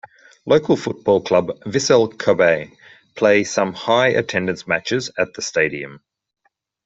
Local football club Vissel Kobe play some high attendance matches at the stadium.